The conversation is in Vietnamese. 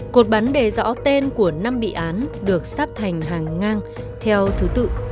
cột bắn đề rõ tên của năm bị án được sắp thành hàng ngang theo thứ tự